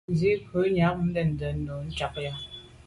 Nzìkû’ cwɛ̌d nja ndèdndèd nùú ntchɔ́k á jáà.